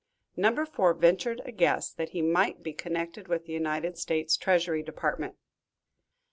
Number Four ventured a guess that he might be connected with the United States treasury department.